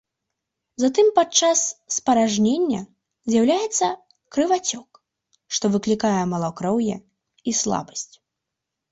Затым падчас спаражнення з'яўляецца крывацёк, што выклікае малакроўе і слабасць.